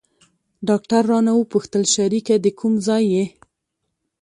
ډاکتر رانه وپوښتل شريکه د کوم ځاى يې.